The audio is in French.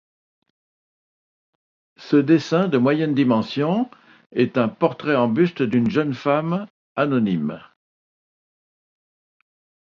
Ce dessin de moyenne dimension est un portrait en buste d'une jeune femme anonyme.